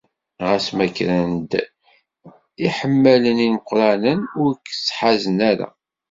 Ɣas ma kkren-d yiḥemmalen imeqqranen, ur t-ttḥazen ara.